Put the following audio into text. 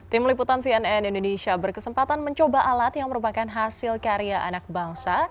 tim liputan cnn indonesia berkesempatan mencoba alat yang merupakan hasil karya anak bangsa